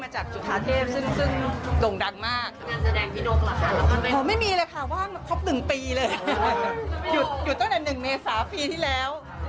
ไม่รับหรือว่าผ่านจังหรือ